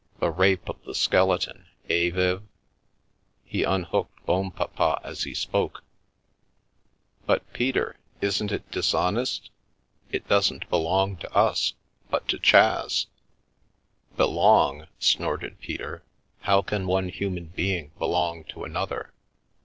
The rape of the skeleton, eh, Viv?" He unhooked Bonpapa as he spoke. " But Peter — isn't it dishonest ? It doesn't belong to us, but to Cha s ■"" Belong !" snorted Peter, " how can one human being belong to another?